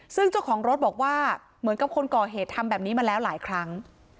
ซึ่งเจ้าของรถบอกว่าเหมือนกับคนก่อเหตุทำแบบนี้มาแล้วหลายครั้ง